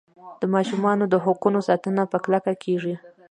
د ماشومانو د حقونو ساتنه په کلکه کیږي.